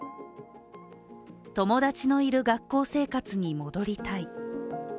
友達のいる学校生活に戻りたい。